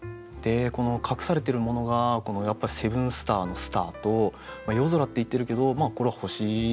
この隠されてるものがやっぱ「セブンスター」の「スター」と「夜空」って言ってるけどこれは「星」が隠されてますよね。